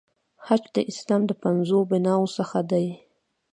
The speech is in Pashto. حج د اسلام د پنځو بناوو څخه دی.